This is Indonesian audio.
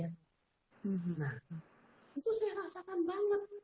nah itu saya rasakan banget